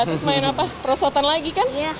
terus main apa perosotan lagi kan